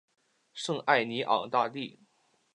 圣艾尼昂大地。